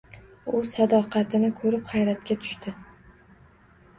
U sadoqatini koʻrib hayratga tushdi.